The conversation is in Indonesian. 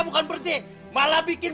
bukan berdik malah bikin